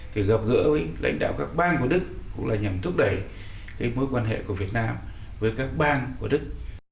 thì gặp gỡ với lãnh đạo các bang của đức cũng là nhằm thúc đẩy cái mối quan hệ của việt nam với các bang của đức